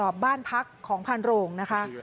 สอบบ้านพักของพาลโรงนะคะ